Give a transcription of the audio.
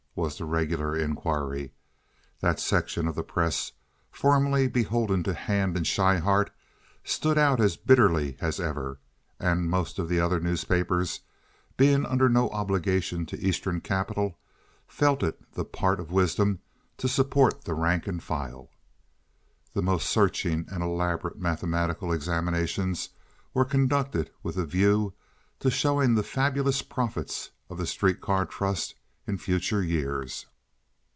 was the regular inquiry. That section of the press formerly beholden to Hand and Schryhart stood out as bitterly as ever; and most of the other newspapers, being under no obligation to Eastern capital, felt it the part of wisdom to support the rank and file. The most searching and elaborate mathematical examinations were conducted with a view to showing the fabulous profits of the streetcar trust in future years.